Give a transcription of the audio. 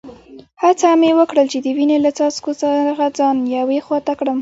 هڅه مې وکړل چي د وینې له څاڅکو څخه ځان یوې خوا ته کړم.